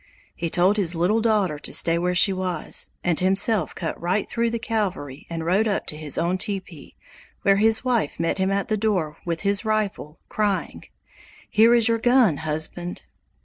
He told his little daughter to stay where she was, and himself cut right through the cavalry and rode up to his own teepee, where his wife met him at the door with his rifle, crying: "Here is your gun, husband!"